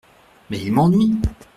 Mais il m’ennuie !